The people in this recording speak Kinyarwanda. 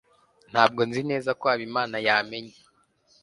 ntabwo nzi neza ko habimana yamenye